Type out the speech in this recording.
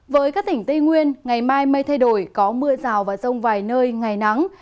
với các tỉnh tây nguyên ngày mai mây thay đổi có mưa rào và rông vài nơi ngày nắng